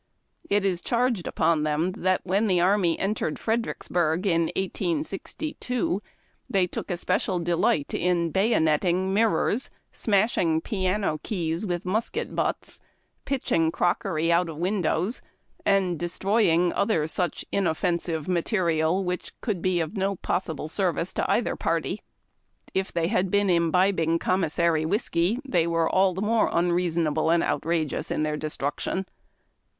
It is charged upon them when the army entered Fredericksburg, in 1862, that they took especial delight in bayonetting mir rors, smashing piano keys with musket butts, pitching crock ery out of windows, and destroying other such inoffensive material, which could be of no possible service to either party. If they had been imbibing commissary whiskey, they were all the more unreasonable and outrageous in their destruction.